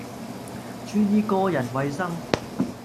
注意個人衛生